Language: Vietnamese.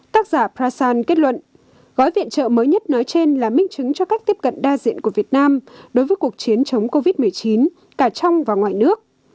tác giả prasan kết luận gói viện trợ mới nhất nói trên là minh chứng cho cách tiếp cận đa diện của việt nam đối với cuộc chiến chống covid một mươi chín cả trong và ngoài nước